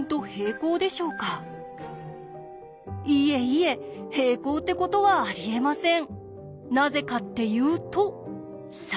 いえいえ平行ってことはありえません。